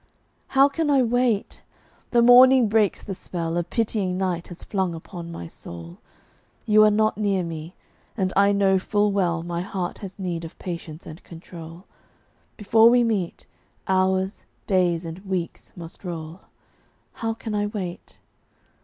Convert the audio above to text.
How can I wait? The morning breaks the spell A pitying night has flung upon my soul. You are not near me, and I know full well My heart has need of patience and control; Before we meet, hours, days, and weeks must roll. How can I wait?